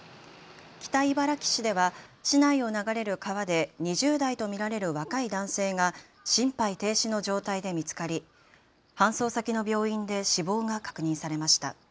北茨城市では市内を流れる川で２０代と見られる若い男性が心肺停止の状態で見つかり搬送先の病院で死亡が確認されました。